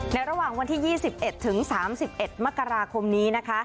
ระหว่างวันที่๒๑ถึง๓๑มกราคมนี้นะคะ